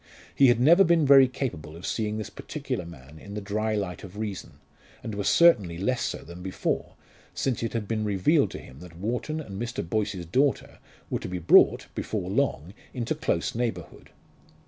He had never been very capable of seeing this particular man in the dry light of reason, and was certainly less so than before, since it had been revealed to him that Wharton and Mr. Boyce's daughter were to be brought, before long, into close neighbourhood.